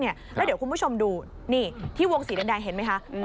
แล้วเดี๋ยวคุณผู้ชมดูนี่ที่วงสีแดงเห็นไหมคะ